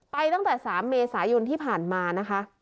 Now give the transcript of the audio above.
ตั้งแต่๓เมษายนที่ผ่านมานะคะ